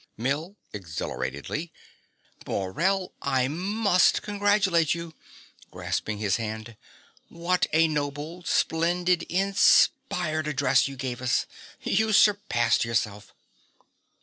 MILL (exhilaratedly). Morell: I MUST congratulate you. (Grasping his hand.) What a noble, splendid, inspired address you gave us! You surpassed yourself.